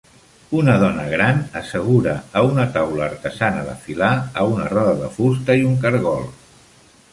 Una dona gran assegura a una taula artesana de filar a una roda de fusta i un cargol.